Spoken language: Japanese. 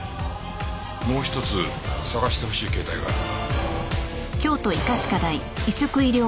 もう一つ探してほしい携帯がある。